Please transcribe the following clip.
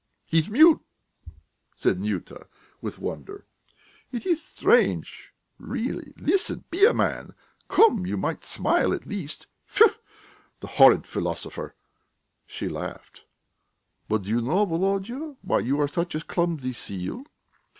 "He's mute," said Nyuta, with wonder; "it is strange, really.... Listen! Be a man! Come, you might smile at least! Phew, the horrid philosopher!" she laughed. "But do you know, Volodya, why you are such a clumsy seal?